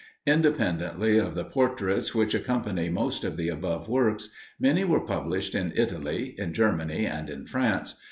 Independently of the portraits which accompany most of the above works, many were published in Italy, in Germany, and in France.